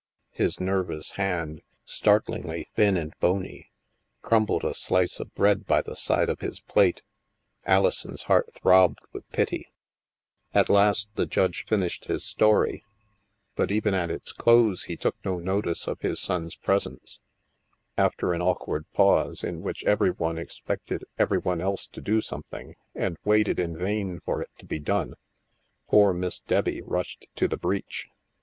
His nervous hand, startlingly thin and bony, crumbled a slice of bread by the side of his plate. Alison's heart throbbed with pity. At last, the Judge finished his story ; but even at 68 THE MASK . its close, he took no notice of his son's presence. After an awkward pause, in which every one ex pected every one else to do something, and waited in vain for it to be done, poor Miss Debbie rushed to the breach.